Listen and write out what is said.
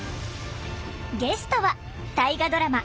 ゲストは大河ドラマ